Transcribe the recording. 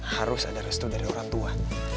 harus ada restu dari orang tua